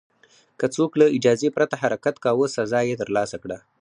که څوک له اجازې پرته حرکت کاوه، سزا یې ترلاسه کړه.